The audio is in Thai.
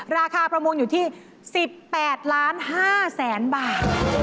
ราคาประมูลอยู่ที่๑๘๕ล้านบาท